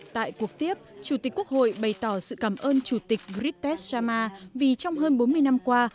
tại cuộc tiếp chủ tịch quốc hội bày tỏ sự cảm ơn chủ tịch gritte jama vì trong hơn bốn mươi năm qua